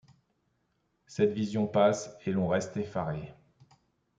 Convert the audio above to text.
Cette vision passe ; et l’on reste effaré.